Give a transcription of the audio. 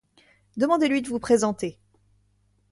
Demandez-lui de vous présenter.